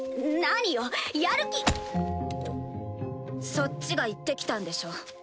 そっちが言ってきたんでしょ。